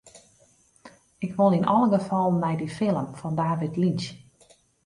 Ik wol yn alle gefallen nei dy film fan David Lynch.